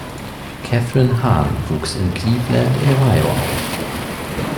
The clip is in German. Kathryn Hahn wuchs in Cleveland in Ohio auf.